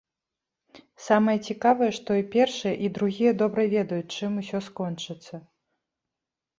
Самае цікавае, што і першыя, і другія добра ведаюць, чым усё скончыцца.